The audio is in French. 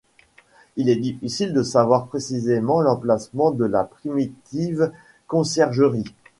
Il est difficile de savoir précisément l’emplacement de la primitive Conciergerie.